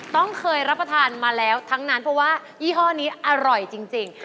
ต้องเคยรับประทานมาแล้วทั้งนั้นเพราะว่ายี่ห้อนี้อร่อยจริง